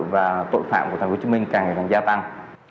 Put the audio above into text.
và tội phạm của thành phố hồ chí minh càng ngày càng gia tăng